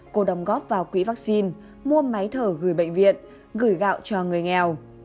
cô đồng góp vào quỹ vaccine mua máy thở gửi bệnh viện gửi gạo cho người nghèo